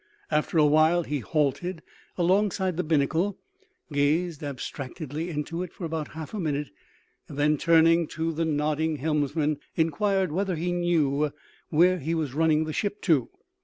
After a while he halted alongside the binnacle, gazed abstractedly into it for about half a minute, and then, turning to the nodding helmsman, inquired whether he knew where he was running the ship to.